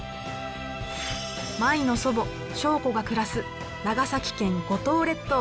舞の祖母祥子が暮らす長崎県五島列島。